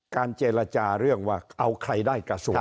คือเป็นยุคแล้วเป็นยุคแล้วทีนี้ค่ะ